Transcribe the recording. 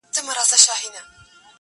• غوره کړی چا دوکان چا خانقاه ده -